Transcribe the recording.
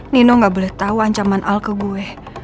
nino gak boleh tau ancaman al ke gue